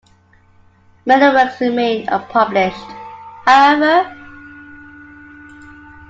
Many works remain unpublished, however.